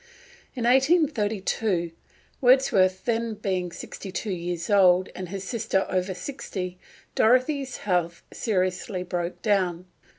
In 1832, Wordsworth then being sixty two years old and his sister over sixty, Dorothy's health seriously broke down.